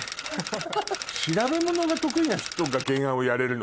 調べ物が得意な人が原案をやれるの？